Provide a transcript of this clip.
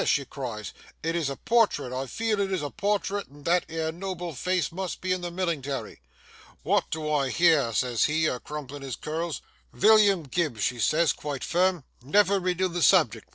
she cries: "it is a portrait, I feel it is a portrait, and that 'ere noble face must be in the millingtary!" "Wot do I hear!" says he, a crumplin' his curls. "Villiam Gibbs," she says, quite firm, "never renoo the subject.